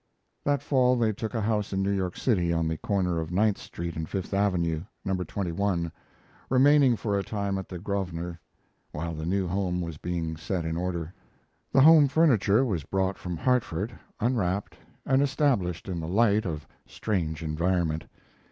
That fall they took a house in New York City, on the corner of Ninth Street and Fifth Avenue, No. 21, remaining for a time at the Grosvenor while the new home was being set in order. The home furniture was brought from Hartford, unwrapped, and established in the light of strange environment.